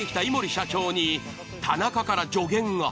社長に田中から助言が。